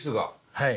はい。